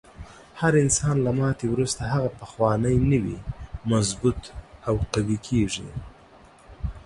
هر انسان له ماتې وروسته هغه پخوانی نه وي، مضبوط او قوي کیږي.